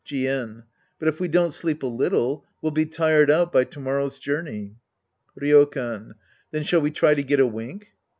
Jien. But if we don't sleep a little, we'll be tired out by to morrow's journey. Ryokan. Then shall we try to get a wink